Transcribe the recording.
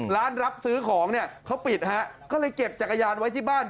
ร้านรับซื้อของเนี่ยเขาปิดฮะก็เลยเก็บจักรยานไว้ที่บ้าน